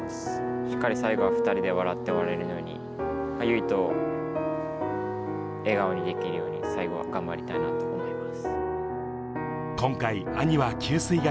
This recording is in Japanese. しっかり最後は２人で笑って終われるように、唯翔を笑顔にできるように、最後は頑張りたいなと思います。